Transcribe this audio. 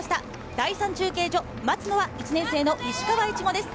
第３中継所、待つのは１年生の石川苺です。